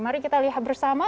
mari kita lihat bersama